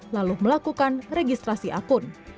lalu melakukan registrasi akun